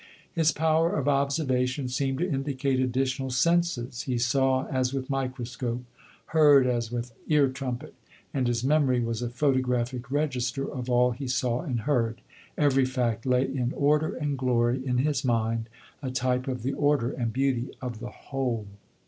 His power of observation seemed to indicate additional senses; he saw as with microscope, heard as with ear trumpet, and his memory was a photographic register of all he saw and heard. Every fact lay in order and glory in his mind, a type of the order and beauty of the whole."